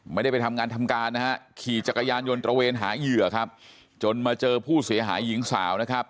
ไม่ได้ไปทำงานทำการนะฮะขี่จักรยานยนตระเวนหาเหยื่อครับจนมาเจอผู้เสียหายหญิงสาวนะครับ